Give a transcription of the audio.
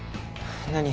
何？